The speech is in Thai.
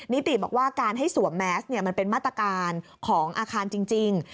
นิติบอกว่าการให้สวมแมสมันเป็นมาตรการของอาคารจริง